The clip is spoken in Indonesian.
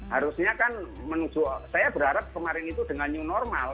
harusnya kan menuju saya berharap kemarin itu dengan new normal